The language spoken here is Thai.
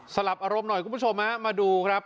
ลับอารมณ์หน่อยคุณผู้ชมฮะมาดูครับ